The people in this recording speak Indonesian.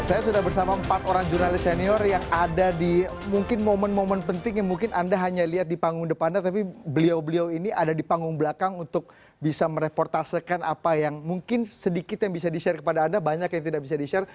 saya sudah bersama empat orang jurnalis senior yang ada di mungkin momen momen penting yang mungkin anda hanya lihat di panggung depannya tapi beliau beliau ini ada di panggung belakang untuk bisa mereportasekan apa yang mungkin sedikit yang bisa di share kepada anda banyak yang tidak bisa di share